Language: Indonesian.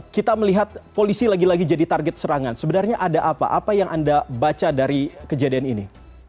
kita melihat polisi lagi lagi jadi target serangan sebenarnya ada apa apa yang anda baca dari kejadian ini